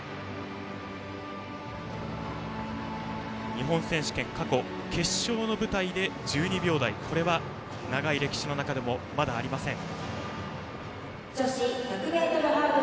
日本選手権、過去決勝の舞台で１２秒台これは長い歴史の中でもまだありません。